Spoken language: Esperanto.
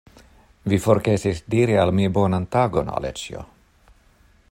Vi forgesis diri al mi bonan tagon, Aleĉjo!